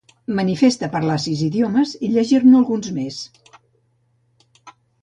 Manifesta parlar sis idiomes i llegir-ne alguns més.